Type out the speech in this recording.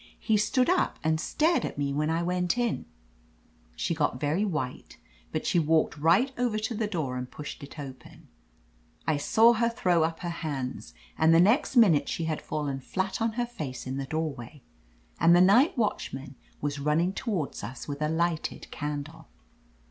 *He stood up and stared at me when I went in/ "She got very white, but she walked right over to the door and pushed it open* I saw her throw up her hands, and the next minute she had fallen flat on her face in the doorway, and the night watchman was running toward us with a lighted candle."